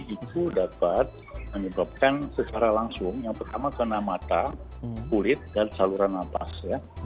itu dapat menyebabkan secara langsung yang pertama kena mata kulit dan saluran nafas ya